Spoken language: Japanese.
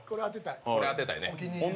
これは当てたいね。